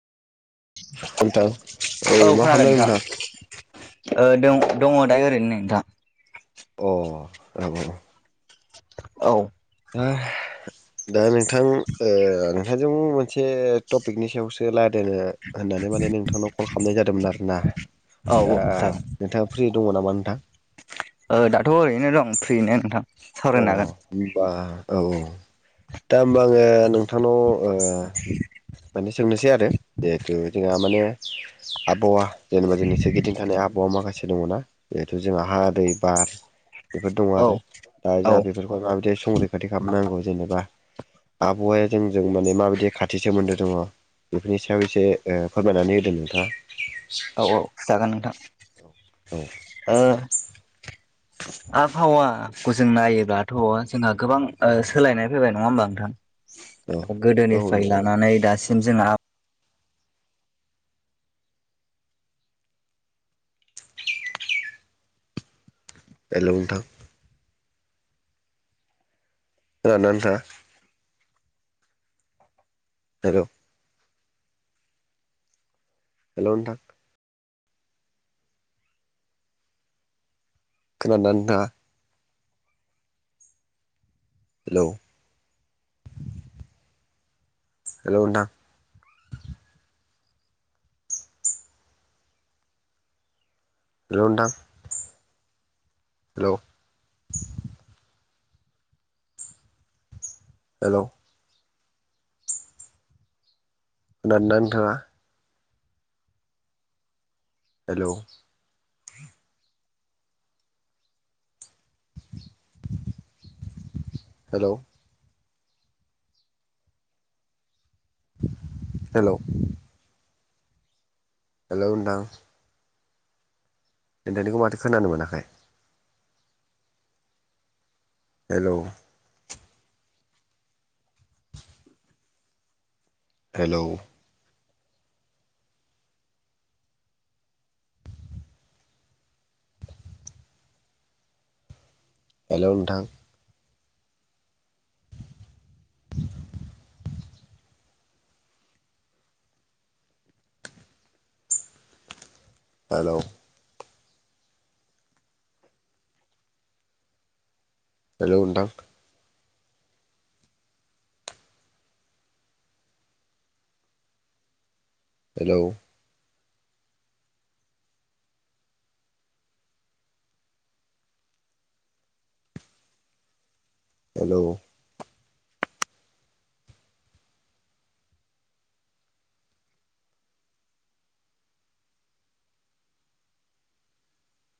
नोंथां औ खोनादों नोंथां। ओ दं दङ दा ओरैनो नोंथाङा औ आं औ। दा दा नोंथां ओ नोंथांजों मोनसे टपिकनि सायावसो रायलायनो होननानै होननानै माने नोंथांनाव कल खालामनाय जादोंमोन आरोना औ दा जागोन। नोंथाङा फ्रि दङ नामा नोंथां? दाथ' ओरैनो दं फ्रिनो नोंथां। अ सावरायनो हागोन होनबा औ औ दा होनबा आङो ओ नोंथांनाव ओ माने सोंनोसै आरो जिहेथु जोंहा माने आबहावा जेनेबा जोंनि सोरगिदिं थानाय आबहावा माखासे दङना बे जिहेथु जोंहा हा दैै बार बेफोर दङ औ दा औ जोंहा बेफोरखौ माबायदि संरैखाथि खालामनांगौ जेनेबा। आबहावाया जोंजों माने माबायदि खाथि सोमोन्दो दङ। बेफोरनि सायाव एसे फोरमायनानै होदों नोंथाङा? औ औ जागोन नोंथां। औ। ओ आबहावाखौ जों नायोब्लाथ' जोंहा गोबां सोलायनाय फैबाय नङा होमबा नोंथां। औ गोदोनिफ्राय लानानै दासिम जोंहा हेल नोंथां खोनादों ना नोंथां? हेल' हेलौ नोंथां। खोनादोंना नोंथाङा? हेलौ हेलौ नोंथां हेलौ नोंथां हेलौ हेलौ खोनादों ना नोंथाङा? हेलौ। हेलौ हेलौ हेलौ नोंथां? नोंथांनिखौ माथो खोनानो मोनाखै? हेलौ हेलौ हेल नोंथां। हेल' हेलौ नोंथां। हेलौ हेल'